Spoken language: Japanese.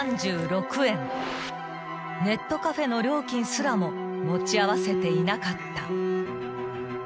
［ネットカフェの料金すらも持ち合わせていなかった］